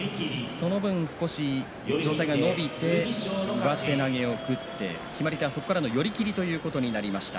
その分、ちょっと上体が伸びて上手投げを食って決まり手はそこからの寄り切りということになりました。